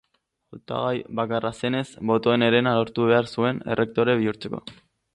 Hautagai bakarra zenez, botoen herena lortu behar zuen errektore bihurtzeko.